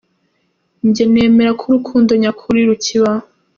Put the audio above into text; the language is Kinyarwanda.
Njye nemera ko urukundo nyakuri Rukibaho ,.